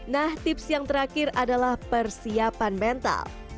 nah tips yang terakhir adalah persiapan mental